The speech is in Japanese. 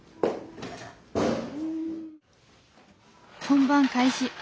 本番開始。